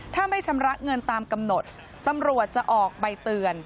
ถ้าไม่ชำระเงินตามกำหนดตำรวจจะออกใบเตือน